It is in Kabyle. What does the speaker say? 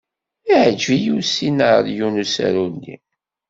Iɛjeb-iyi usinaṛyu n usaru-nni.